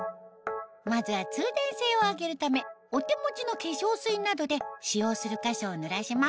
まずは通電性を上げるためお手持ちの化粧水などで使用する箇所を濡らします